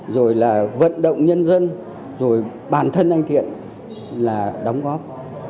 rồi là vận động nhân dân rồi bản thân anh thiện là đóng góp